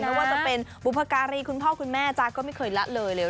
ไม่ว่าจะเป็นบุพการีคุณพ่อคุณแม่จ๊ะก็ไม่เคยละเลยเลย